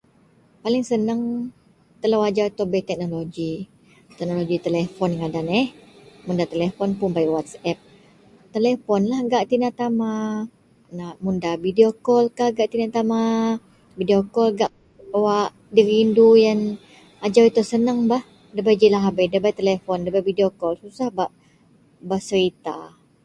Paling seneng telo ajau ito bei teknoloji, teknoloji telepon ngaden yeh mun da telepon dei whatsap, telepon lah gak tina-tama mun da vadeo kol kah gak tina-tama vadeo kol gak wak dirindu iyen ajau ito seneng bah debei ji lahabei debei telepon nda bei videokol susah bak serita.